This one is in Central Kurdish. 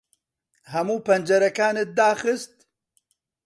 ھەموو پەنجەرەکانت داخست؟